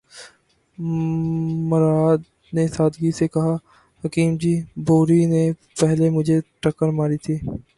مراد نے سادگی سے کہا:”حکیم جی! بھوری نے پہلے مجھے ٹکر ماری تھی۔